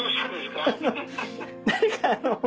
何かあの。